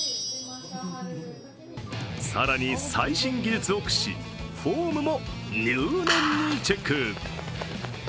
更に最新技術を駆使し、フォームも入念にチェック。